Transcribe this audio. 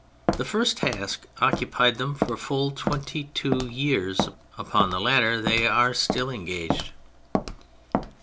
The first task occupied them for full twenty two years, upon the latter they are still engaged.